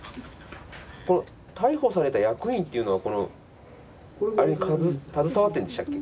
この逮捕された役員っていうのはこのあれに携わってるんでしたっけ？